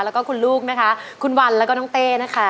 แล้วก็คุณลูกนะคะคุณวันแล้วก็น้องเต้นะคะ